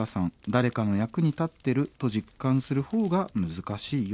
「誰かの役に立ってると実感するほうが難しいよ」。